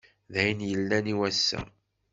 D ayen i yellan i wass-a.